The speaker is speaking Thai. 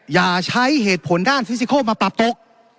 อย่าใช้เหตุผลด้านฟิซิโคลมาปรับตก